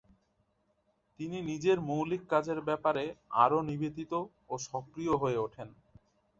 তিনি নিজের মৌলিক কাজের ব্যাপারে আরও নিবেদিত ও সক্রিয় হয়ে উঠেন।